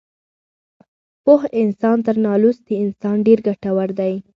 پوه انسان تر نالوستي انسان ډېر ګټور دی.